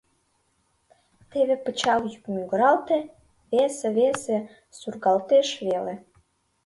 Теве пычал йӱк мӱгыралте, весе, весе — сургалтеш веле...